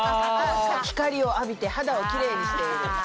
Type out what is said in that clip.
光を浴びて肌をキレイにしている。